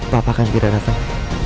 papa akan segera datang